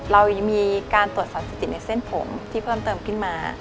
เรายังมีการตรวจสารเสพติดในเส้นผมที่เพิ่มเติมขึ้นมา